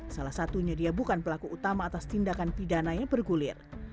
salah satunya dia bukan pelaku utama atas tindakan pidana yang bergulir